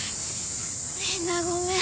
みんなごめん。